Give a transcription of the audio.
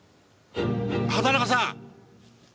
畑中さん。